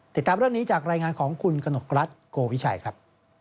ติดตามเรื่องนี้จากรายงานของคุณกนกรัฐโกวิชัยครับ